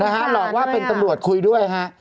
หลอกว่าเป็นตำรวจคุยด้วยฮะ